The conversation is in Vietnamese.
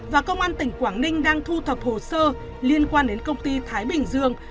và công an tỉnh quảng ninh đang thu thập hồ sơ liên quan đến công ty thái bình dương